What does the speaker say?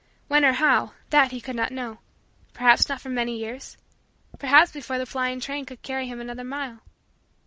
When or how; that, he could not know; perhaps not for many years; perhaps before the flying train could carry him another mile.